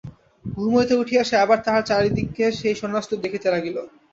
ঘুম হইতে উঠিয়া সে আবার তাহার চারি দিকে সেই সোনার স্তূপ দেখিতে লাগিল।